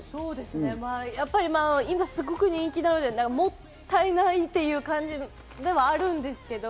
今すごく人気なので、もったいないっていう感じではあるんですけど。